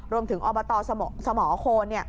รวมถึงอสมะโฆล